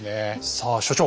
さあ所長。